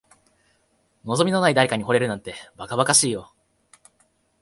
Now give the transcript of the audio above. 望みのない誰かに惚れるなんて、ばかばかしいよ。